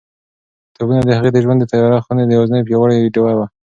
کتابونه د هغې د ژوند د تیاره خونې یوازینۍ او پیاوړې ډېوه وه.